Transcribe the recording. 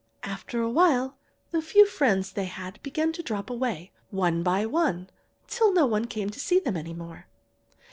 After a while the few friends they had began to drop away, one by one, till no one came to see them any more.